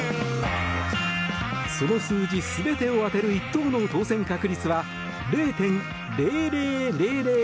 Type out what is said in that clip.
その数字全てを当てる１等の当選確率は０．００００００００３％。